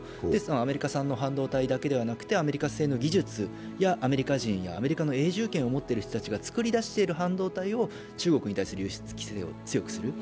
アメリカ産の半導体だけじゃなくて、アメリカ製の技術やアメリカ人やアメリカの永住権を持っている人たちが作り出している半導体を中国に対する輸出規制を強くする。